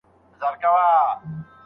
ایا تاسو ایران ته سفر کړی دی؟